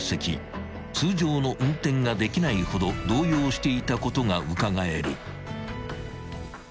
［通常の運転ができないほど動揺していたことがうかがえる］